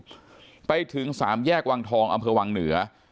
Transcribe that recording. ตรวจจุดสกัดอยู่ไปถึงสามแยกวังทองอำเภอวังเหนือ